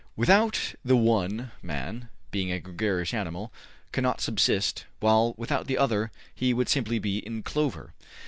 Without the one, man, being a gregarious animal, cannot subsist: while without the other he would simply be in clover.